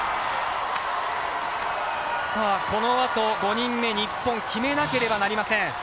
このあと５人目、日本、決めなければなりません。